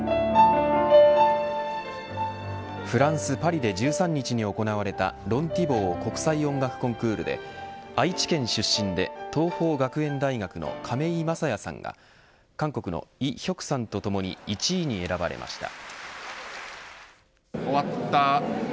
フランス、パリで１３日に行われたロン・ティボー国際音楽コンクールで愛知県出身で桐朋学園大学の亀井聖矢さんが韓国のイ・ヒョクさんとともに１位に選ばれました。